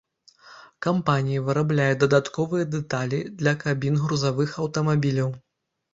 Кампанія вырабляе дадатковыя дэталі для кабін грузавых аўтамабіляў.